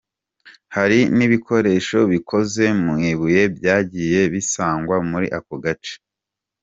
Hari n’ibikoresho bikoze mu ibuye byagiye bisangwa muri ako gace.